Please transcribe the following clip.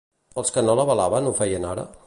Els que no l'alabaven ho feien ara?